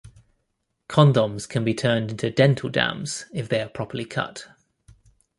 Condoms can be turned into dental dams if they are properly cut.